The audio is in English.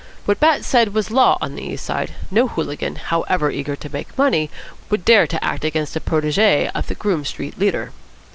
What Bat said was law on the East Side. No hooligan, however eager to make money, would dare to act against a protégé of the Groome Street leader.